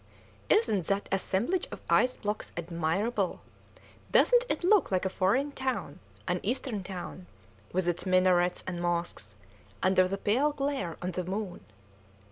"Isn't that assemblage of ice blocks admirable? Doesn't it look like a foreign town, an Eastern town, with its minarets and mosques under the pale glare of the moon?